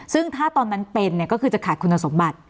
ซึ่งถ้าตอนนั้นเป็นก็คือจะขาดคุณสมบัติ